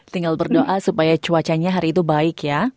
tinggal berdoa supaya cuacanya hari itu baik ya